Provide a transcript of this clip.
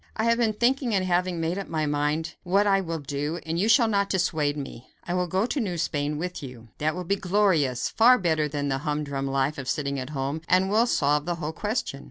"I have been thinking and have made up my mind what I will do, and you shall not dissuade me. I will go to New Spain with you. That will be glorious far better than the humdrum life of sitting at home and will solve the whole question."